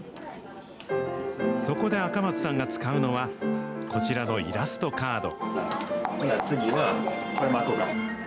そこで赤松さんが使うのは、こちらのイラストカード。